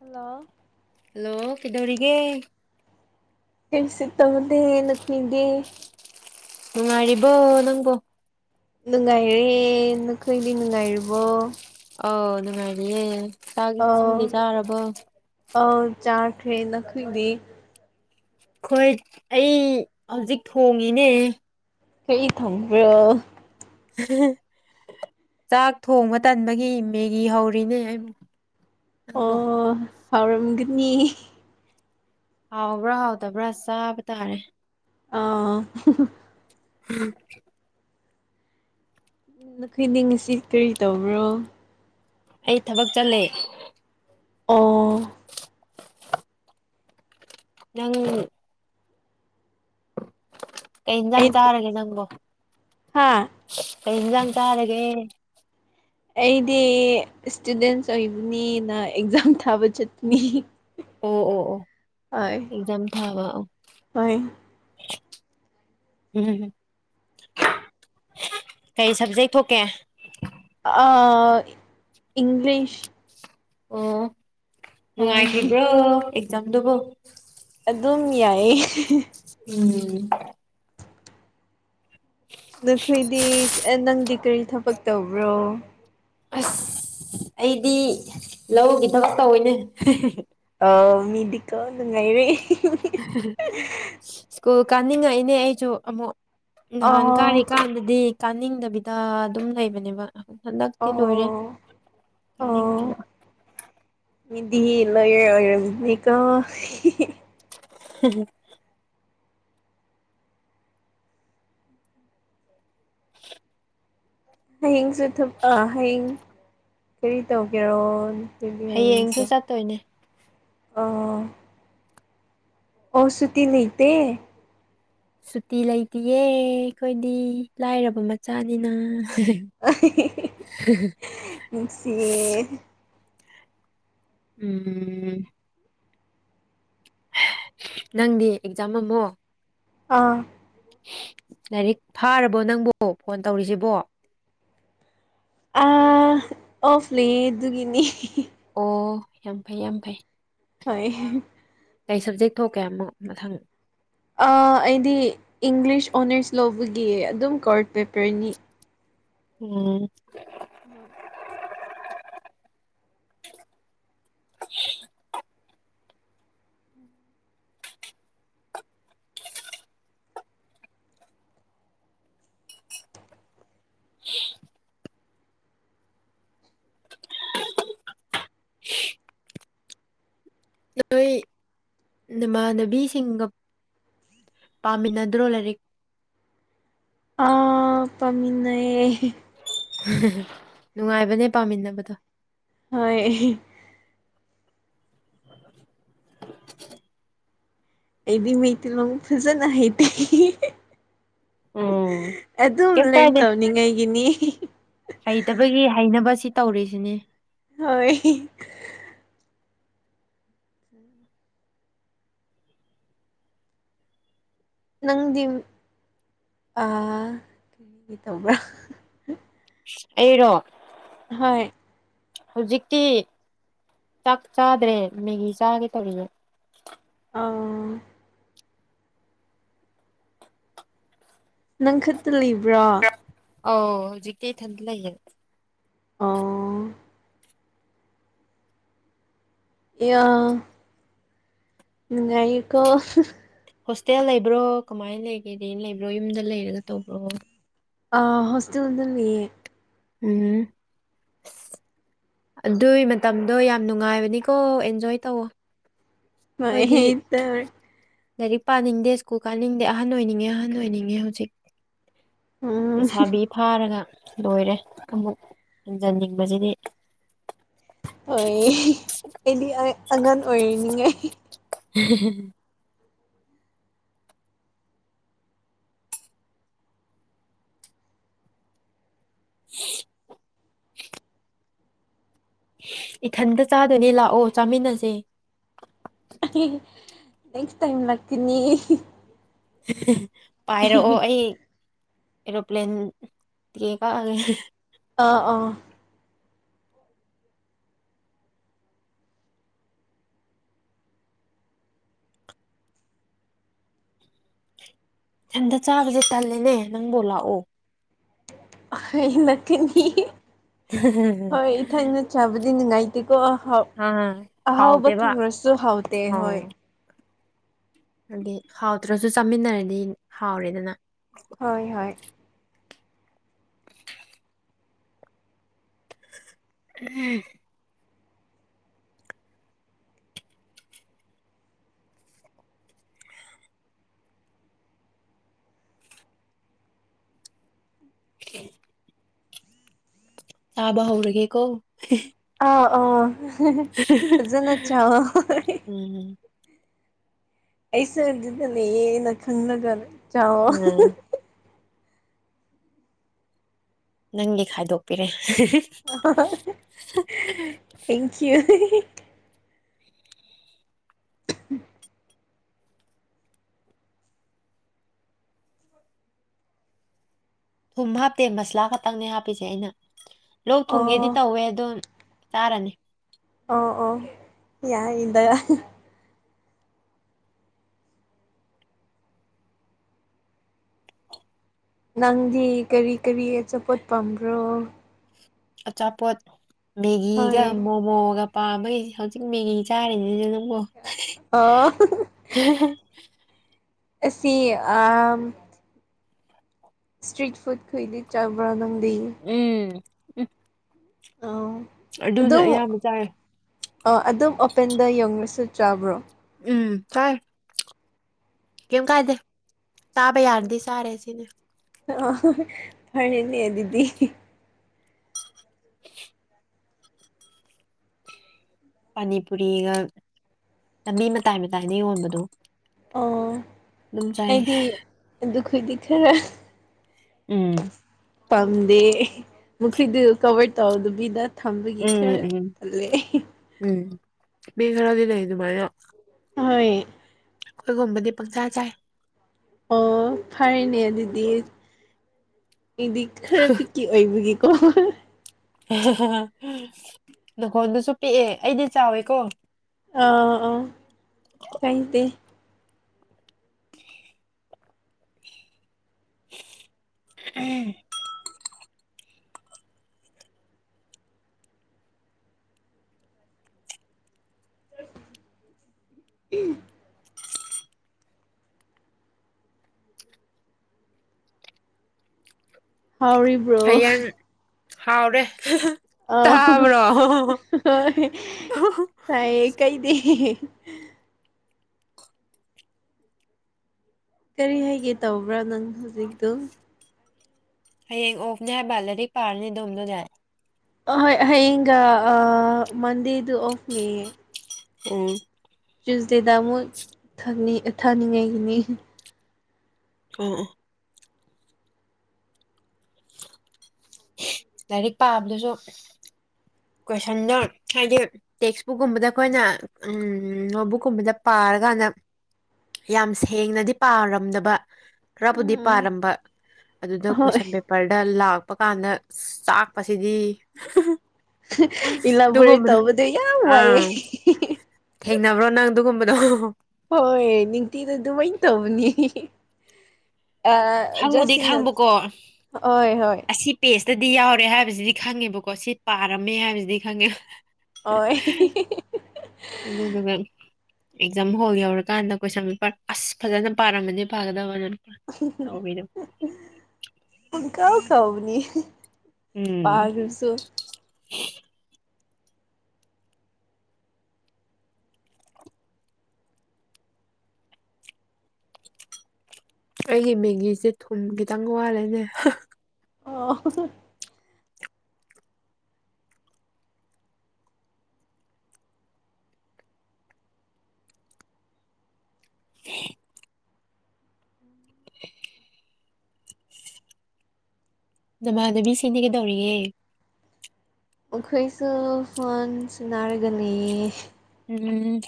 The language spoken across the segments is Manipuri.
ꯍꯜꯂꯣ ꯍꯜꯂꯣ ꯀꯩꯗꯧꯔꯤꯒꯦ ꯀꯩꯁꯨ ꯇꯧꯗꯦ ꯉꯥꯁꯤꯗꯤ ꯅꯨꯡꯉꯥꯏꯔꯤꯕꯣ ꯅꯪꯒꯣ ꯅꯨꯡꯉꯥꯏꯔꯦ ꯅꯈꯣꯏꯗꯤ ꯅꯨꯡꯉꯥꯏꯔꯤꯕꯣ ꯑꯥꯎ ꯅꯨꯡꯉꯥꯏꯔꯤꯌꯦ ꯆꯥꯛ ꯏꯁꯤꯡꯗꯤ ꯆꯥꯔꯕꯣ ꯑ ꯆꯥꯈ꯭ꯔꯦ ꯅꯈꯣꯏꯗꯤ ꯍꯣꯏ ꯑꯩ ꯍꯧꯖꯤꯛ ꯊꯣꯡꯉꯤꯅꯦ ꯀꯔꯤ ꯊꯣꯡꯕ꯭ꯔꯣ ꯆꯥꯛ ꯊꯣꯡꯕ ꯇꯟꯕꯒꯤ ꯃꯦꯒꯤ ꯍꯧꯔꯤꯅꯦ ꯑꯩꯕꯨ ꯅꯪꯕꯣ ꯑꯣ ꯍꯥꯎꯔꯝꯒꯅꯤ ꯍꯥꯎꯕ꯭ꯔꯥ ꯍꯥꯎꯗꯕ꯭ꯔꯥ ꯆꯥꯕ ꯇꯥꯔꯦ ꯑꯥ ꯎꯝ ꯅꯈꯣꯏ ꯅꯤ ꯉꯁꯤ ꯀꯔꯤ ꯇꯧꯕ꯭ꯔꯣ ꯑꯩ ꯊꯕꯛ ꯆꯠꯂꯦ ꯑꯣ ꯅꯪ ꯀꯩ ꯌꯦꯟꯖꯥꯡ ꯑꯩ ꯆꯥꯔꯒꯦ ꯅꯪꯕꯣ ꯍꯥ ꯀꯩ ꯌꯦꯟꯁꯥꯡ ꯆꯥꯔꯒꯦ ꯑꯩꯗꯤ ꯏꯁꯇꯨꯗꯦꯟꯁ ꯑꯣꯏꯕꯅꯤꯅ ꯑꯦꯛꯖꯥꯝ ꯊꯥꯕ ꯆꯠꯄꯅꯤ ꯑꯣ ꯑꯣ ꯑꯣ ꯑꯦꯛꯖꯝ ꯊꯥꯕ ꯍꯣꯢ ꯍꯝ ꯀꯩ ꯁꯕꯖꯦꯛ ꯊꯣꯛꯀꯦ ꯑ ꯏꯪꯂꯤꯁ ꯑꯣ ꯍꯣꯏ ꯅꯨꯡꯉꯥꯏꯈꯤꯕ꯭ꯔꯣ ꯑꯦꯛꯖꯥꯝꯗꯨꯕꯣ ꯑꯗꯨꯝ ꯌꯥꯏ ꯎꯝ ꯅꯈꯣꯏꯗꯤ ꯅꯪꯗꯤ ꯀꯔꯤ ꯊꯕꯛ ꯇꯧꯕ꯭ꯔꯣ ꯑꯁ ꯑꯩꯗꯤ ꯂꯧꯒꯤ ꯊꯕꯛ ꯇꯧꯋꯤꯅꯦ ꯑ ꯃꯤꯗꯤꯀꯣ ꯅꯨꯡꯉꯥꯏꯔꯦ ꯁ꯭ꯀꯨꯜ ꯀꯥꯅꯤꯡꯉꯛꯏꯅꯦ ꯑꯩꯁꯨ ꯑꯃꯨꯛ ꯅꯍꯥꯟ ꯀꯥꯔꯤ ꯑꯣ ꯀꯥꯟꯗꯗꯤ ꯀꯥꯅꯤꯡꯗꯕꯤꯗ ꯑꯗꯨꯝ ꯂꯩꯕꯅꯦꯕ ꯍꯟꯗꯛꯇꯤ ꯂꯣꯏꯔꯦ ꯑꯣ ꯑꯣ ꯃꯤꯗꯤ ꯂꯣꯌꯥꯔ ꯑꯣꯏꯔꯝꯅꯤꯅꯥ ꯀꯣ [inaudible] ꯍꯌꯦꯡꯁꯨ ꯑ ꯊꯕꯥꯛ ꯍꯌꯦꯡ ꯀꯔꯤ ꯇꯧꯒꯦꯔꯣ ꯅꯈꯣꯏꯗꯤ ꯍꯌꯦꯡꯁꯨ ꯍꯌꯦꯡꯁꯦ ꯆꯠꯇꯣꯏꯅꯦ ꯑꯣ ꯑꯣ ꯁꯨꯇꯤ ꯂꯩꯇꯦ ꯁꯨꯇꯤ ꯂꯩꯇꯌꯦ ꯑꯩꯈꯣꯏꯗꯤ ꯂꯥꯏꯔꯕ ꯃꯆꯥꯅꯤꯅ ꯅꯨꯡꯁꯤꯌꯦ [unintelligible] ꯎꯝ ꯅꯪꯗꯤ ꯑꯦꯛꯖꯥꯝ ꯑꯃꯃꯣ ꯑꯥ ꯂꯥꯏꯔꯤꯛ ꯐꯥꯔꯕꯣ ꯅꯪꯕꯣ ꯐꯣꯟ ꯇꯧꯔꯤꯁꯤꯕꯣ ꯑ ꯑꯣꯐꯂꯤ ꯗꯨꯒꯤꯅꯤ ꯑꯣ ꯌꯥꯝ ꯐꯩ ꯌꯥꯝ ꯐꯩ ꯍ ꯀꯩ ꯁꯕꯖꯦꯛ ꯊꯣꯛꯀꯦꯛ ꯃꯊꯪ ꯑꯩꯗꯤ ꯏꯪꯂꯤꯁ ꯑꯣꯅꯔꯁ ꯂꯧꯕꯒꯤ ꯑꯗꯨꯝ ꯀꯣꯔꯔꯠ ꯄꯦꯄꯔꯅꯤ ꯎꯝ ꯍꯣꯏ [unintelligible] [unintelligible] ꯑꯩꯈꯣꯏ ꯅꯃꯥꯟꯅꯕꯤꯁꯤꯡꯒ ꯄꯥꯃꯤꯟꯅꯗ꯭ꯔꯣ ꯂꯥꯏꯔꯤꯛ ꯑ ꯄꯥꯃꯤꯟꯅꯩ ꯅꯨꯡꯉꯥꯏꯕꯅꯦ ꯄꯥꯃꯤꯟꯅꯕꯗꯣ ꯍꯣꯏ [inaudible] ꯑꯩꯗꯤ ꯃꯩꯇꯩꯤ ꯂꯝ ꯐꯖꯅ ꯍꯩꯇꯦ ꯎ ꯑꯗꯨꯝ ꯀꯩ ꯂꯔꯟ ꯀꯥꯏꯗꯦ ꯇꯧꯅꯤꯡꯉꯥꯏꯒꯤꯅꯤ ꯍꯩꯇꯕꯒꯤ ꯍꯩꯅꯅꯕꯁꯤ ꯇꯧꯔꯤꯁꯤꯅꯦ ꯍꫭꯏ ꯅꯪꯗꯤ ꯑ ꯀꯔꯤ ꯇꯧꯕ꯭ꯔꯥ ꯑꯩꯔꯣ ꯍꯣꯏ ꯍꯧꯖꯤꯛꯇꯤ ꯆꯥꯛ ꯆꯥꯗ꯭ꯔꯦ ꯃꯦꯒꯤ ꯆꯥꯒꯦ ꯇꯧꯔꯤꯌꯦ ꯑꯥ ꯅꯪ ꯈꯛꯇ ꯂꯩꯕ꯭ꯔꯥ ꯑꯥꯎ ꯍꯧꯖꯤꯛꯇꯀꯤꯩ ꯊꯗ ꯂꯩꯌꯦ ꯑꯧ ꯑꯦ ꯉꯥꯏꯀꯣ ꯍꯣꯁꯇꯦꯜ ꯂꯩꯕ꯭ꯔꯣ ꯀꯃꯥꯏꯅ ꯂꯩꯒꯦꯗ ꯂꯩꯕ꯭ꯔꯣ ꯌꯨꯝꯗ ꯂꯩꯔꯒ ꯇꯧꯕ꯭ꯔꯣ ꯑ ꯍꯣꯁꯇꯦꯜ ꯂꯩꯌꯦ ꯎꯝ ꯑꯗꯨꯏ ꯃꯇꯝꯗꯣ ꯌꯥꯝ ꯅꯨꯡꯉꯥꯏꯕꯅꯤꯀꯣ ꯑꯦꯟꯖꯣꯏ ꯇꯧꯋꯣ ꯍꯣꯏ ꯑꯩꯈꯣꯏꯗꯤ ꯑꯍꯩ ꯇꯕ ꯂꯥꯏꯔꯤꯛ ꯄꯥꯅꯤꯡꯗꯦ ꯁ꯭ꯀꯨꯜ ꯀꯥꯅꯤꯡꯗꯦ ꯑꯍꯟ ꯑꯣꯏꯅꯤꯡꯉꯦ ꯑꯍꯟ ꯑꯣꯏꯅꯤꯡꯉꯦ ꯍꯧꯖꯤꯛ ꯎꯝ ꯂꯩꯁꯥꯕꯤ ꯐꯥꯔꯒ ꯂꯣꯏꯔꯦ ꯑꯃꯨꯛ ꯍꯟꯖꯟꯅꯤꯡꯕꯁꯤꯗꯤ ꯍꯣꯏ ꯑꯩꯗꯤ ꯑꯉꯥꯡ ꯑꯣꯏꯔꯤꯅꯤꯉꯥꯏ [inaudible] [inaudible] ꯏꯊꯟꯇ ꯆꯥꯗꯣꯏꯅꯦ ꯂꯥꯛꯑꯣ ꯆꯥꯃꯤꯟꯅꯁꯦ ꯅꯦꯛꯁ ꯇꯥꯏꯝ ꯂꯥꯛꯇꯅꯤ ꯄꯥꯏꯔꯛꯑꯣ ꯑꯩ ꯑꯦꯔꯣꯄ꯭ꯂꯦꯟ ꯊꯀ ꯑꯥ ꯑꯥ ꯍꯟꯗ ꯆꯥꯕꯁꯦ ꯇꯂꯦꯅꯦ ꯅꯪꯕꯨꯣ ꯂꯥꯛꯑꯣ ꯂꯀꯅꯤ ꯍꯣꯏ ꯏ ꯊꯅ ꯆꯥꯕ ꯑꯗꯨꯅꯤꯡꯉꯥꯏꯇꯦꯀꯣ ꯑꯍꯥꯎ ꯑꯥ ꯑꯍꯥꯎꯕ ꯍꯥꯎꯇꯦꯕ ꯊꯨꯡꯉꯁꯨ ꯍꯥꯎꯇꯦ ꯍꯣꯏ ꯑꯗꯨꯗꯤ ꯍꯥꯎꯗ꯭ꯔꯁꯨ ꯆꯥꯃꯤꯟꯅꯔꯗꯤ ꯍꯥꯎꯔꯦꯗꯅ ꯍꯣꯏ ꯍꯣꯏ [inaudible] [inaudible] ꯇꯥꯕ ꯍꯧꯎꯔꯒꯦꯀꯣ ꯑ ꯑ ꯐꯖꯅ ꯆꯥꯑꫭ ꯎꯝ ꯑꯩ ꯁꯔꯗꯨꯗꯅꯦꯌꯦꯅ ꯈꯪꯅꯒꯅꯦ ꯆꯥꯣ ꯎꯝ ꯅꯪꯒꯤ ꯈꯥꯏꯗꯣꯛꯄꯤꯔꯦ ꯊꯦꯡꯀ꯭ꯌꯨ [inaudible] ꯊꯨꯝ ꯍꯥꯞꯇꯦ ꯃꯁꯂꯥ ꯈꯛꯇꯪꯅꯦ ꯍꯥꯞꯄꯤꯁꯦ ꯑꯩꯅ ꯂꯣꯛ ꯊꯨꯝꯒꯦꯗꯤ ꯑꯣ ꯇꯧꯋꯦ ꯑꯗꯣ ꯇꯔꯅꯤ ꯑꯣ ꯑꯣ ꯌꯥ ꯏꯗ ꯅꯪꯗꯤ ꯀꯔꯤ ꯀꯔꯤ ꯑꯆꯥꯄꯣꯠ ꯄꯥꯝꯕ꯭ꯔꯣ ꯑ ꯆꯆꯥꯄꯣꯠ ꯃꯦꯒꯒ ꯍꯣꯏ ꯃꯣꯃꯣꯒ ꯄꯥꯝꯕꯩ ꯍꯧꯖꯤꯛ ꯃꯦꯒꯤ ꯆꯥꯔꯤꯅꯤ ꯑꯗꯨꯝ ꯑꯣ ꯑꯣ ꯑꯁꯤꯁꯤ ꯑ ꯏꯁꯇ꯭ꯔꯤꯠ ꯐꯨꯗ ꯈꯣꯏꯗꯤ ꯆꯥꯕ꯭ꯔꯥ ꯅꯪ ꯎꯝ ꯎ ꯑ ꯑꯗꯨꯝ ꯆꯥꯏ ꯑꯗꯨꯝ ꯑꯣꯄꯦꯟꯗ ꯌꯧꯕꯁꯨ ꯆꯥꯕ꯭ꯔꯣ ꯎꯝ ꯀꯥꯏ ꯀꯝ ꯀꯥꯏꯗꯦ ꯇꯥꯕ ꯑꯣ ꯌꯥꯔꯗꯤ ꯁꯔꯦ ꯁꯤꯅꯦ ꯑ ꯐꯔꯅꯦꯗꯤ [inaudible] ꯄꯅꯤꯄꯨꯔꯤꯒ ꯂꯝꯕꯤ ꯃꯇꯥꯏ ꯃꯇꯥꯏꯅ ꯌꯣꯟꯕꯗꯣ ꯑꯣ ꯑꯗꯨꯝ ꯆꯥꯏ ꯑꯩꯗꯤ ꯑꯗꯨꯈꯗꯤ ꯈꯔ ꯎꯝ ꯄꯥꯝꯗꯦ ꯃꯈꯣꯏꯗꯨ ꯀꯕꯔ ꯇꯧꯗꯕꯤꯗ ꯊꯝꯕꯒꯤ ꯈꯔ ꯎꯝ ꯇꯜꯂꯦ ꯃꯘꯔꯗꯤ ꯂꯩ ꯏ ꯑꯗꯨ ꯃꯥꯌꯥꯝ ꯍꯣꯏ ꯑꯩꯈꯣꯏꯒꯨꯝꯕꯗꯤ ꯄꯪꯆꯥꯥ ꯆꯥꯏ ꯑꯣ ꯐꯔꯅꯦ ꯑꯗꯨꯗꯤ ꯑꯩꯗꯤ ꯈꯔ ꯄꯤꯛꯀꯤ ꯑꯣꯏꯕꯒꯤꯀꯣ ꯅꯪꯈꯣꯟꯗꯨꯁꯨ ꯄꯤꯛꯑꯦ ꯑꯩꯗꯤ ꯆꯥꯎꯋꯦꯀꯣ ꯑꯥ ꯑꯥ ꯊꯦꯡꯇ [inaudible] ꯎꯝ ꯎꯝ ꯍꯧꯥꯎꯔꯤꯕ꯭ꯔꯣ ꯍꯌꯦꯡ ꯍꯥꯎꯔꯦ ꯑ ꯇꯥꯕ꯭ꯔꯣ ꯍꯣꯏ ꯇꯥꯏꯌꯦ ꯀꯩꯗ [inaudible] ꯀꯔꯤ ꯍꯥꯏꯒꯦ ꯇꯧꯕ꯭ꯔꯥ ꯅꯪ ꯍꯧꯖꯤꯛꯇꯣ ꯍꯌꯦꯡ ꯑꯣꯐꯅꯦ ꯍꯥꯏꯕ ꯂꯥꯏꯔꯤꯛ ꯄꯥꯔꯅꯤ ꯑꯗꯣꯝꯗꯣ ꯌꯥꯏ ꯍ ꯍꯒ ꯑ ꯃꯗꯦ ꯑꯗꯨ ꯑꯣꯐ ꯃꯦ ꯎꯝ ꯆꯨꯁꯗꯦꯗ ꯑꯃꯨꯛ ꯊꯥꯅꯤꯡꯉꯥꯏꯒꯤꯅꯤ ꯀ ꯂꯥꯏꯔꯤꯛ ꯄꯥꯕꯗꯨꯁꯨ ꯀꯣꯏꯁꯟꯗꯣ ꯍꯥꯏꯗꯤ ꯇꯦꯛꯁꯕꯨꯛꯀꯨꯝꯕꯗ ꯑꯩꯈꯣꯏꯅ ꯎ ꯅꯣꯠꯕꯨꯛꯀꯨꯝꯕꯗ ꯄꯥ ꯇꯔꯀꯥꯟꯗ ꯌꯥꯝ ꯁꯦꯡꯅꯗꯤ ꯄꯥꯔꯝꯗꯕ ꯈꯔꯕꯨꯗꯤ ꯎꯝ ꯄꯥꯔꯝꯕ ꯑꯗꯨꯗ ꯍꯣꯏ ꯀꯣꯏꯁꯟ ꯄꯦꯄꯔꯗ ꯂꯥꯛ ꯄ ꯀꯥꯟꯗ ꯆꯥꯛꯄꯁꯤꯗꯤ ꯏꯂꯕꯣꯔꯦ ꯑꯗꯨꯒꯨꯝꯕꯗꯣ ꯇꯧꯕꯗꯣ ꯌꯥꯝ ꯋꯥꯏꯑꯦ ꯑꯥ ꯊꯦꯡꯅꯕ꯭ꯔꯣ ꯅꯪ ꯑꯗꯨꯒꯨꯝꯕꯗꯣ ꯍꯣꯏ ꯅꯤꯡꯇꯤꯗ ꯑꯗꯨꯃꯥꯏ ꯇꯧꯅꯤ ꯈꯪꯕꯨꯗꯤ ꯈꯪꯕꯀꯣ ꯍꯣꯏ ꯍꯣꯏ ꯇꯗꯤ ꯌꯥꯎꯔꯦ ꯍꯥꯏꯕꯁꯤꯗꯤ ꯈꯪꯉꯦꯕꯀꯣ ꯁꯤ ꯄꯥꯔꯝꯃꯦ ꯍꯥꯏꯕꯁꯤꯗꯤ ꯈꯪꯉꯦ ꯑꯣ ꯑꯗꯨꯗ ꯑꯗꯨ ꯐ ꯑꯦꯛꯖꯥꯝ ꯍꯣꯜ ꯌꯧꯔꯀꯥꯟꯗ ꯀꯣꯏꯁꯟ ꯄꯦꯄꯔ ꯑꯁ ꯐꯖꯅ ꯄꯥꯔꯝꯃꯅꯤ ꯄꯥꯒꯗꯕꯅ ꯀꯥꯎ ꯀꯥꯎꯅꯤ ꯎꯝ ꯄꯥꯔꯁꯨ ꯑꯩꯒꯤ ꯃꯦꯒꯤꯁꯦ ꯊꯨꯝ ꯈꯤꯇꯪ ꯋꯥꯠꯂꯦꯅꯦ ꯑꫭ ꯑꫭ [unintelligible] [inaudible] [inaudible] ꯅꯃꯥꯟꯕꯤꯁꯤꯡꯗꯤ ꯀꯩꯗꯧꯔꯤꯒ°? ꯃꯈꯣꯏꯁꯨ ꯐꫭꯟ ꯁꯟꯅꯔꯒꯥ ꯂꯩꯌ° ꯎꯝꯝꯝ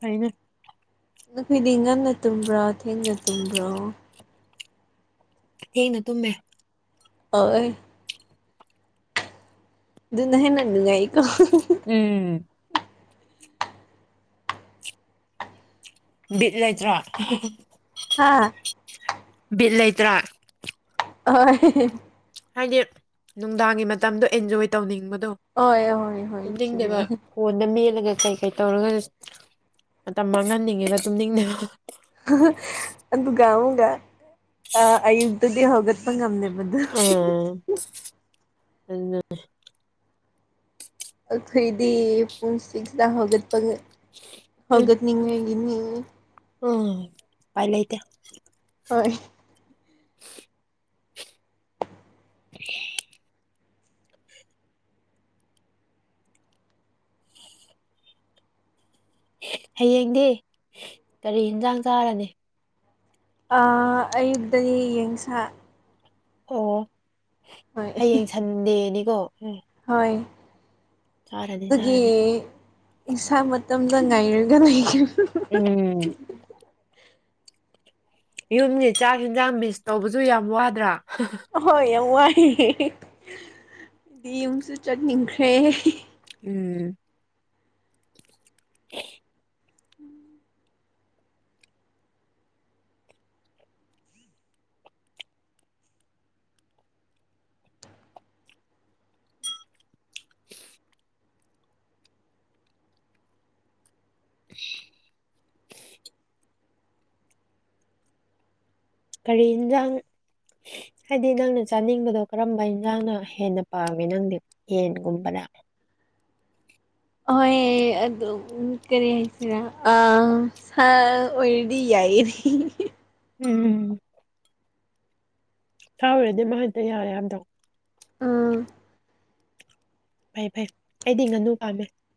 ꯄꯩꯅ ꯅꯈꯣꯏꯗꯤ ꯉꯟꯅꯥ ꯇꯨꯝꯕ꯭ꯔꫭ ꯊꯦꯡꯅ ꯇꯨꯝꯕ꯭ꯔꯣ? ꯊꯦꯡꯅꯥ ꯇꯨꯝꯃꯤ ꯑꯥꯑꫭꯏ ꯑꯗꯨꯅ ꯍꯦꯟꯅ ꯅꯨꯡꯉꯥꯏ ꯑꯩ ꯎꯝꯝ ꯕꯤꯠ ꯂꯩꯇ꯭ꯔꯣ꯫ ꯍꯥꯥꯍꯍ ꯕꯤꯠ ꯂꯩꯇ꯭ꯔꯥ ꯔꫭ ꯍꫭꯏ ꯍꯥꯏꯗꯤ ꯅꯨꯡꯗꯥꯡꯒꯤ ꯃꯇꯝꯗꯣ ꯑꯦꯟꯖꯣꯏ ꯇꯧꯅꯤꯡꯕꯅꯤ ꯑꯗꯣ ꯍꯣꯏ ꯍꯣꯏ ꯍꯣꯏ ꯆꯨꯝꯃꯦ ꯇꯨꯝꯅꯤꯡꯗ°ꯕꯥ ꯐꯣꯟꯗꯥ ꯃꯦꯜꯂꯒꯥ ꯀꯩꯀꯩ ꯇꯧꯔꯒ ꯃꯇꯝ ꯃꯥꯡꯍꯟꯅꯤꯡꯉꯦꯒꯥ ꯇꯨꯝꯅꯤꯡꯅꯕ ꯑꯗꯨꯗꯒꯥꯎꯒ ꯑꯃꯨꯛꯀ ꯑꯌꯨꯗꯗꯤ ꯍꯒꯠꯄꯥ ꯉꯝꯗꯕ ꯑꯥꯑ ꯑꯗꯨꯗꯤ ꯈꯣꯏꯗꯤ ꯄꯨꯡ ꯁꯤꯛꯁ ꯍꯒꯠꯄ ꯎꯝ ꯍꯒꯠꯅꯤꯡꯏ ꯏꯅꯤ [unintelligible] ꯎꯝ ꯎꯄꯥꯏ ꯂꯩꯇꯦ ꯍꯣꯏꯏ꯫ [inaudible] ꯍꯌꯦꯡꯗꯤ ꯀꯔꯤ ꯑ°ꯟꯁꯥꯡ ꯆꯥꯔꯒꯅꯤ ꯑꯥ ꯑꯌꯨꯛꯇꯗꯤ ꯌꯦꯟꯁꯥ ꯑꯣꯑ ꯍꯣꯏ ꯍꯌꯦꯡ ꯁꯟꯗꯦꯅꯤꯀꯣ ꯎꯝ꯫ ꯍꯣꯏ ꯆꯥꯔꯅꯤ ꯑꯗꯨꯒꯤ꯫ ꯆꯥꯔꯅꯤ ꯏꯁꯥꯡ ꯃꯇꯝꯗ ꯉꯥꯏꯔꯒ ꯂꯩꯈꯤꯕꯥ꯫ ꯎꯝ ꯌꯨꯝꯒꯤ ꯆꯥꯛ ꯏꯟꯖꯥꯡ ꯃꯤꯁ ꯇꯧꯕꯗꯨ ꯌꯥꯝ ꯋꯥꯗ꯭ꯔꯥ? ꯑꯍꯣꯏ ꯌꯥꯝ ꯋꯥꯏ ꯌꯨꯝꯁꯨ ꯆꯠꯅꯤꯡꯈ꯭ꯔꯦ ꯎꯝꯝ [inaudible] ꯀꯔꯤ ꯑ°ꯟꯖꯥꯡ ꯍꯥꯏꯕꯗꯤ ꯅꯪꯅ ꯆꯥꯅꯤꯡꯕꯗꯣ ꯀꯔꯝꯕ ꯏꯟꯁꯥꯡꯅ ꯍꯦꯟꯅ ꯄꯥꯝꯃꯦ ꯅꯪꯗꯤ ꯌꯦꯟꯒꯨꯝꯕꯔꯥ? ꯎ [inaudible] ꯍꯣꯏ ꯑꯗꯨ ꯀꯔꯤ ꯍꯥꯏꯁꯤꯔꯥ ꯑ ꯍꯥꯎꯔꯗꯤ ꯌꯥꯏ ꯑꯩꯗꯤ ꯎꯝꯝ ꯁꯥ ꯑꯣꯏꯔꯗꯤ ꯃꯍꯤꯗꫭ ꯌꯥꯔꯦ ꯍꯥꯏꯔꯝꯗꯧꯅꯤ ꯑꯥꯑꯑ ꯐꯩ ꯐꯩ ꯑꯩꯗꯤ ꯉꯥꯅꯨ ꯄꯥꯝꯃꯤ